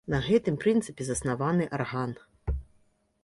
На гэтым прынцыпе заснаваны арган.